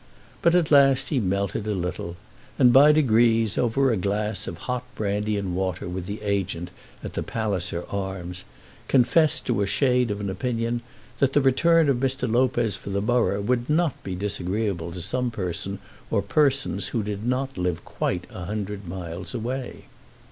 But at last he melted a little, and by degrees, over a glass of hot brandy and water with the agent at the Palliser Arms, confessed to a shade of an opinion that the return of Mr. Lopez for the borough would not be disagreeable to some person or persons who did not live quite a hundred miles away.